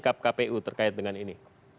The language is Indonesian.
sikap kpu terkait dengan ini